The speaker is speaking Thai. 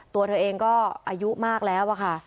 ตัวเธอเองก็อายุมากแล้วอะค่ะ